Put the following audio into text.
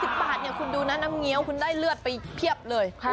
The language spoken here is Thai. ๑๐บาทเนี่ยคุณดูนะน้ำเงี้ยวคุณได้เลือดไปเพียบเลย